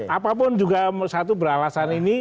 apapun juga satu beralasan ini